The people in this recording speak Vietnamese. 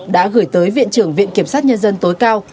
đã gửi tới viện trưởng viện kiểm sát nhân dân tối cao